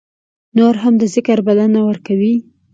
نور هم د ذکر بلنه ورکوي.